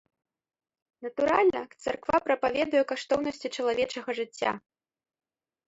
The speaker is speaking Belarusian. Натуральна, царква прапаведуе каштоўнасці чалавечага жыцця.